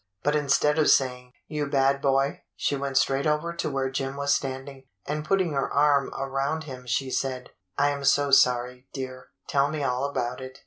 But instead of saying, "You bad boy," she went straight over to where Jim was standing, and putting her arm around him she said, "I am so sorry, dear; tell me all about it."